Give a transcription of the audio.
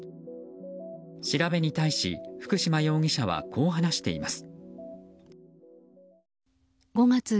調べに対し福島容疑者はこう話しています。